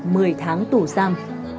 mười tháng tù giam